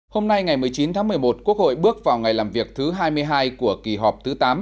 hôm nay ngày một mươi chín tháng một mươi một quốc hội bước vào ngày làm việc thứ hai mươi hai của kỳ họp thứ tám